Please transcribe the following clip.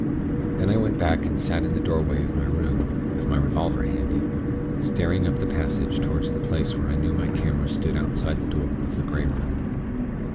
Then I went back, and sat in the doorway of my room, with my revolver handy, staring up the passage toward the place where I knew my camera stood outside the door of the Grey Room.